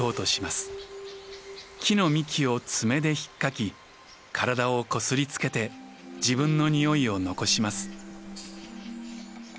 木の幹を爪でひっかき体をこすりつけて自分の臭いを残します。